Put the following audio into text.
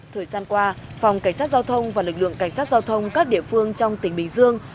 thời gian qua phòng cảnh sát giao thông và lực lượng cảnh sát giao thông các địa phương trong tỉnh bình dương